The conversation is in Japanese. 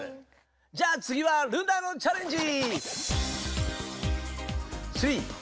じゃあつぎはルナのチャレンジ！